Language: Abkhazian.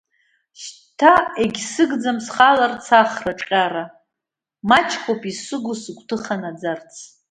Ушьҭа егьсыгӡам схаларц ахра ҿҟьара, маҷк ауп исыгу сыгәҭыха наӡарц.